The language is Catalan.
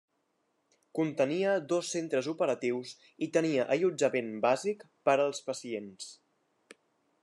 Contenia dos centres operatius i tenia allotjament bàsic per als pacients.